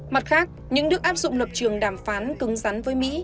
mặt khác những nước áp dụng lập trường đàm phán cứng rắn với mỹ